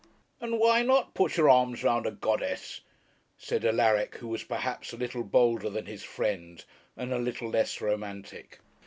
'And why not put your arms round a goddess?' said Alaric, who was perhaps a little bolder than his friend, and a little less romantic.